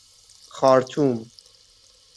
خارطوم